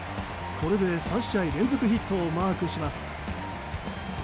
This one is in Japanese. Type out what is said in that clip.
これで３試合連続ヒットをマークします。